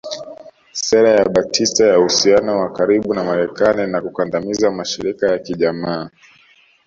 Sera ya Batista ya uhusiano wa karibu na Marekani na kukandamiza mashirika ya kijamaa